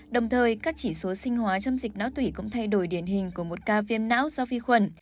đồng thời các chỉ số sinh hóa trong dịch náo tủy cũng thay đổi điển hình của một ca viêm não do vi khuẩn